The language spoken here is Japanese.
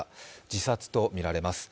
自殺とみられます。